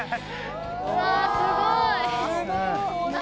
うわっすごい！